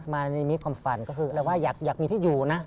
มาในมิตรความฝันก็คือเราว่าอยากมีที่อยู่นะ